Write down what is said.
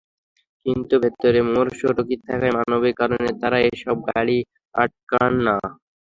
কিন্তু ভেতরে মুমূর্ষু রোগী থাকায় মানবিক কারণে তাঁরা এসব গাড়ি আটকান না।